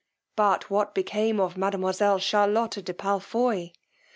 But what became of mademoiselle Charlotta de Palfoy!